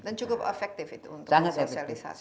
dan cukup efektif itu untuk sosialisasi